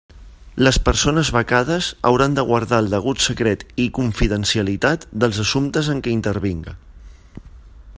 Les persones becades hauran de guardar el degut secret i confidencialitat dels assumptes en què intervinga.